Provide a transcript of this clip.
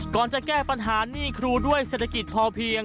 จะแก้ปัญหาหนี้ครูด้วยเศรษฐกิจพอเพียง